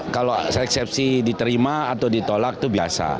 kalau eksepsi diterima atau ditolak itu biasa